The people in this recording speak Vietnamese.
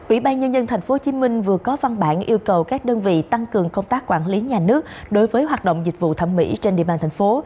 ủy ban nhân dân tp hcm vừa có văn bản yêu cầu các đơn vị tăng cường công tác quản lý nhà nước đối với hoạt động dịch vụ thẩm mỹ trên địa bàn thành phố